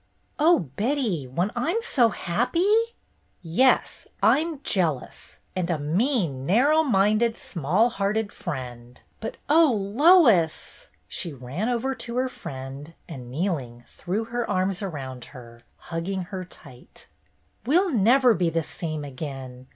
"Oh, Betty, when I'm so happy!" "Yes, I'm jealous, and a mean, narrow minded, small hearted friend — but oh, Lois !" She ran over to her friend and, kneeling, threw her arms around her, hugging her tight. LOIS'S ENGAGEMENT 199 ''We'll never be the same again.